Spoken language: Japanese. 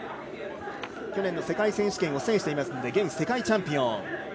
去年の世界選手権を制しているので現世界チャンピオン。